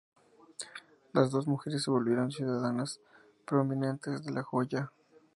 Las dos mujeres se volvieron ciudadanas prominentes de La Jolla.